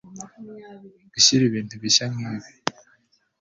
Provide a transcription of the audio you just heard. Gushyira ibintu bishya nkibi